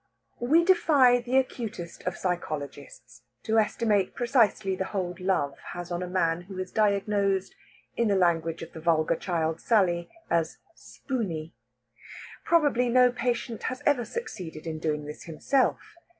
We defy the acutest of psychologists to estimate precisely the hold love has on a man who is diagnosed, in the language of the vulgar child Sally, as "spooney." Probably no patient has ever succeeded in doing this himself.